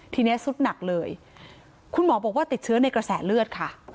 ทีนี้สุดหนักเลยคุณหมอบอกว่าติดเชื้อในกระแสเลือดค่ะ